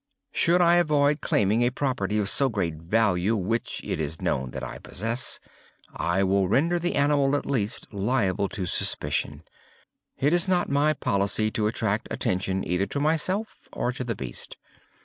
Should I avoid claiming a property of so great value, which it is known that I possess, I will render the animal at least, liable to suspicion. It is not my policy to attract attention either to myself or to the beast.